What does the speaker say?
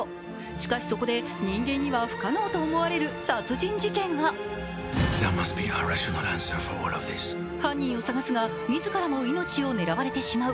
しかし、そこで人間には不可能と思われる殺人事件が犯人を捜すが自らも命を狙われてしまう。